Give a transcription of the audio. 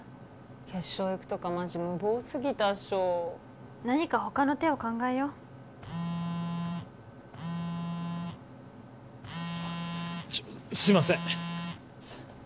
決勝いくとかマジ無謀すぎたっしょ何か他の手を考えようちょっとすいません